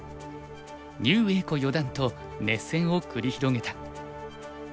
牛栄子四段と熱戦を繰り広げた。